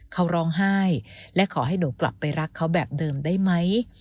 เขาร้องไห้และขอให้หนูกลับไปรักเขาแบบเดิมได้ไหม